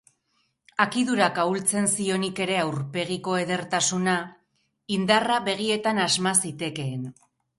Akidurak ahultzen zionik ere aurpegiko edertasuna, indarra begietan asma zitekeen.